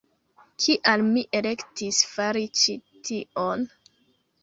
Kial mi elektis fari ĉi tion?